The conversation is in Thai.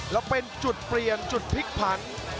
แล้วเป็นจุดเปรียนจุดพิกพันธ์